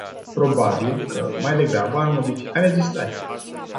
Probabil că mai degrabă ar modifica legislația.